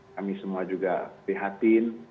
kami semua juga prihatin